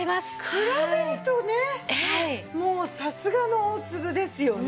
比べるとねもうさすがの大粒ですよね。